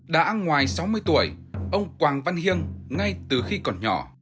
đã ngoài sáu mươi tuổi ông quảng văn hiêng ngay từ khi còn nhỏ